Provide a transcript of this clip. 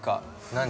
◆何？